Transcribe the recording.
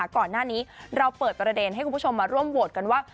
ก่อนหน้านี้เราเปิดประเด็นให้คุณผู้ชมมาร่วมโหวตกันว่า